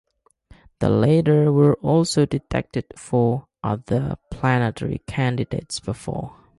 The latter were also detected for other planetary candidates before.